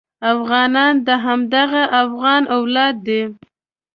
افغانان د همدغه افغان اولاد دي.